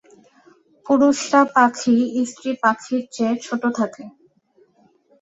পুরুষরা পাখি স্ত্রী পাখির চেয়ে ছোট থাকে।